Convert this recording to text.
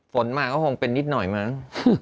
ฝนมาก็คงเป็นนิดหน่อยมั้ง